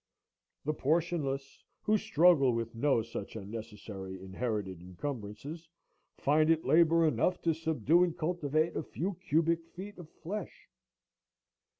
The portionless, who struggle with no such unnecessary inherited encumbrances, find it labor enough to subdue and cultivate a few cubic feet of flesh.